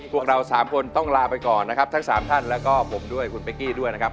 พวกเราสามคนต้องลาไปก่อนนะครับทั้งสามท่านแล้วก็ผมด้วยคุณเป๊กกี้ด้วยนะครับ